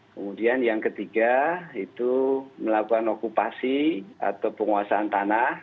kemudian yang ketiga itu melakukan okupasi atau penguasaan tanah